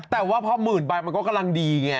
แต่ว่าพอหมื่นใบมันก็กำลังดีไง